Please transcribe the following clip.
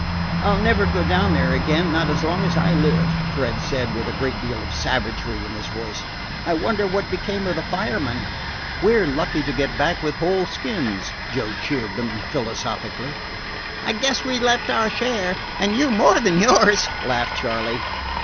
"I 'll never go down there again, not as long as I live," Fred said with a great deal of savagery in his voice. "I wonder what became of the fireman." "We 're lucky to get back with whole skins," Joe cheered them philosophically. "I guess we left our share, and you more than yours," laughed Charley.